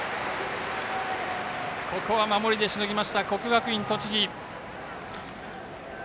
ここは守りでしのぎました国学院栃木。